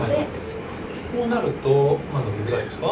こうなるとノビぐらいですか。